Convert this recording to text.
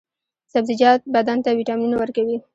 سبزیجات بدن ته ویټامینونه ورکوي.